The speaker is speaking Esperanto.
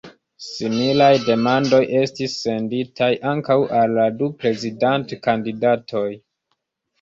Similaj demandoj estis senditaj ankaŭ al la du prezidant-kandidatoj.